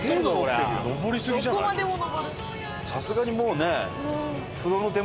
さすがにもうね。